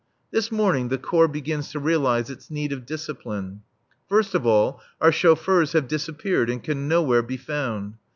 This morning the Corps begins to realize its need of discipline. First of all, our chauffeurs have disappeared and can nowhere be found.